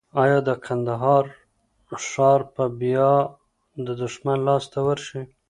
ایا د کندهار ښار به بیا د دښمن لاس ته ورشي؟